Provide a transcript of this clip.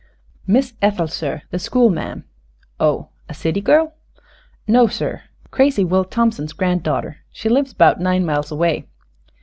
"Miss Ethel, sir; the school ma'am." "Oh. A city girl?" "No, sir. Crazy Will Thompson's granddaughter. She lives 'bout nine mile away."